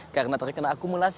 karena terkena akumulasi